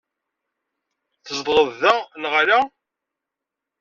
Tzedɣeḍ da, neɣ ala?